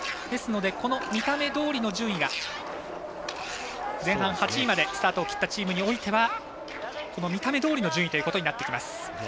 ですので、見た目どおりの順位が前半８位までスタートを切ったチームにおいては見た目どおりの順位ということになってきます。